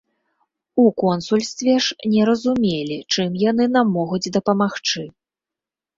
У консульстве ж не разумелі, чым яны нам могуць дапамагчы.